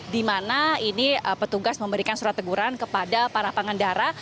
di mana ini petugas memberikan surat teguran kepada para pengendara